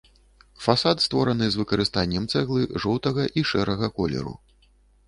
Фасад створаны з выкарыстаннем цэглы жоўтага і шэрага колеру.